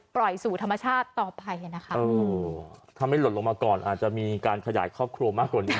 ปล่อยสู่ธรรมชาติต่อไปนะคะถ้าไม่หล่นลงมาก่อนอาจจะมีการขยายครอบครัวมากกว่านี้